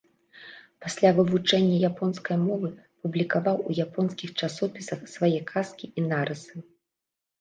Пасля вывучэння японскай мовы, публікаваў у японскіх часопісах свае казкі і нарысы.